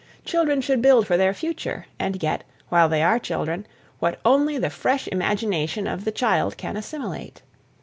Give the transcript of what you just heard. Children should build for their future and get, while they are children, what only the fresh imagination of the child can assimilate.